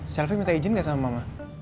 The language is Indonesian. selvi minta izin gak sama mama